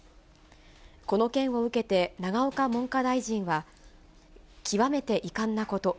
この件を受けて、永岡文科大臣は、極めて遺憾なこと。